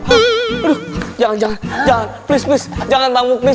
aduh jangan jangan